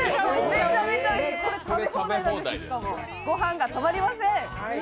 御飯が止まりません。